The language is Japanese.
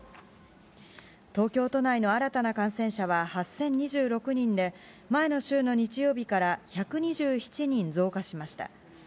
東京都内の新たな感染者は８０２６人で、前の週の日曜日から１２７人増加しました。